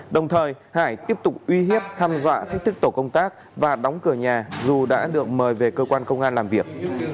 đồng thời hải tiếp tục uy hiếp hăm dọa thách thức tổ công tác và đóng cửa nhà dù đã được mời về cơ quan công an làm việc